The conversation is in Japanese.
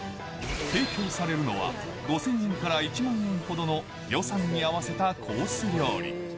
提供されるのは、５０００円から１万円ほどの予算に合わせたコース料理。